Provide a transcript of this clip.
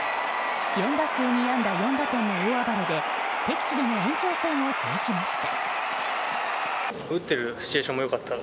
４打数２安打４打点の大暴れで敵地での延長戦を制しました。